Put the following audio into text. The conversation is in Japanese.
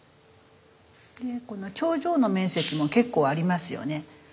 でこの頂上の面積も結構ありますよね。